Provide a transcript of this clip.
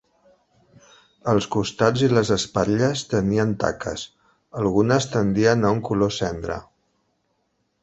Els costats i les espatlles tenien taques, algunes tendien a un color cendra.